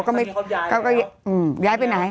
ตอนนี้เขาย้ายไปไหน